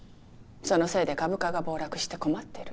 そのせいで株価が暴落して困ってる。